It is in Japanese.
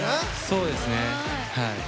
そうですねはい。